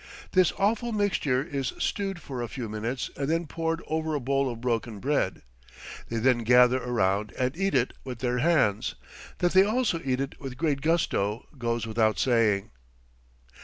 This awful mixture is stewed for a few minutes and then poured over a bowl of broken bread; they then gather around and eat it with their hands that they also eat it with great gusto goes without saying.